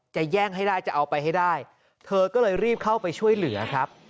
แย่งให้ได้จะเอาไปให้ได้เธอก็เลยรีบเข้าไปช่วยเหลือครับ